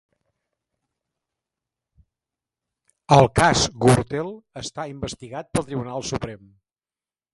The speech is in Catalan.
El cas Gürtel està investigat pel Tribunal Suprem